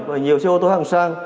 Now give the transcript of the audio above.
và nhiều xe ô tô hàng sang